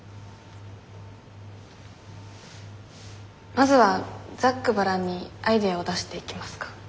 まずはざっくばらんにアイデアを出していきますか？